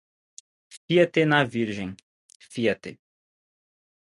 Fia-te na Virgem, fia-te.